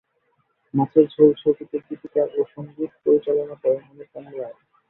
মাছের ঝোল ছবিতে গীতিকার ও সংগীত পরিচালনা করেন অনুপম রায়।